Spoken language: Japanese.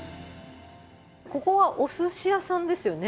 ここはおすし屋さんですよね？